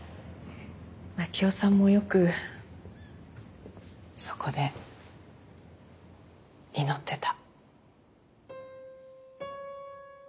真樹夫さんもよくそこで祈ってた。